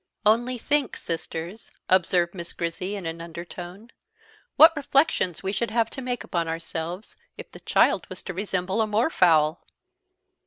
"Only think, sisters," observed Miss Grizzy in an undertone, "what reflections we should have to make upon ourselves if the child was to resemble a moorfowl!"